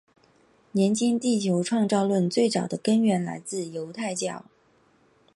年轻地球创造论最早的根源来自犹太教。